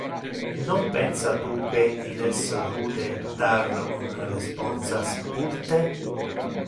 Non pensa tu que il es rude dar un responsa si curte?